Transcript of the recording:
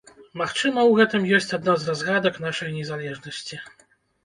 Магчыма, у гэтым ёсць адна з разгадак нашай незалежнасці.